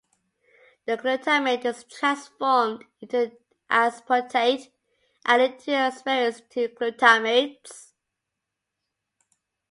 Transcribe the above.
The glutamate is transformed into an aspartate and the two asparates into glutamates.